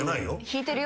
引いてるよ。